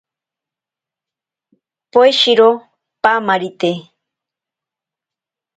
Poeshiro paamarite.